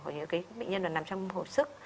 nếu cái bệnh nhân nó nằm trong hồi sức